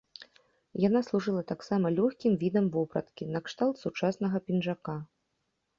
Яна служыла таксама лёгкім відам вопраткі, накшталт сучаснага пінжака.